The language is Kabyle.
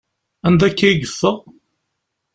Anda akka i yeffeɣ?